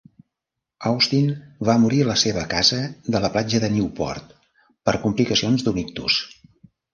Austin va morir a la seva casa de la platja de Newport per complicacions d'un ictus.